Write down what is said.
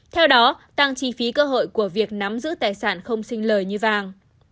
theo đó tăng chi phí cơ hội của việc nắm giữ tài sản không sinh lời như vàng